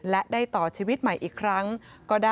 และได้ต่อชีวิตให้กับผู้ที่รับบริจาคหัวใจ